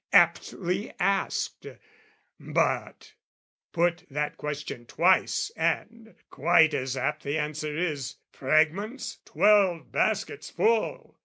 Aptly asked: But put that question twice and, quite as apt The answer is "Fragments, twelve baskets full!"